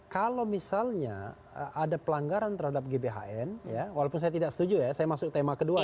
kalau misalnya ada pelanggaran terhadap gbhn walaupun saya tidak setuju ya saya masuk tema kedua